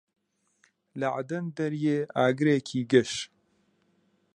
لە عەدەن دەریێ ئاگرێکی گەش